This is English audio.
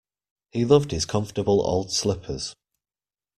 He loved his comfortable old slippers.